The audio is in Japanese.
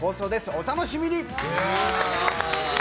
お楽しみに！